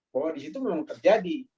bahwa di situ memang terjadi